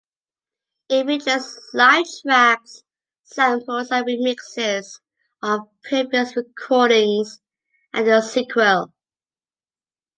It features live tracks, samples and remixes of previous recordings, and a sequel.